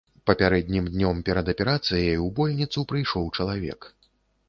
Папярэднім днём перад аперацыяй у больніцу прыйшоў чалавек.